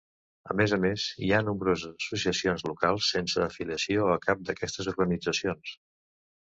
A més a més, hi ha nombroses associacions locals sense afiliació a cap d'aquestes organitzacions.